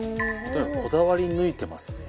こだわり抜いてますね。